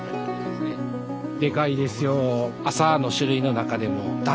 でかいですよ。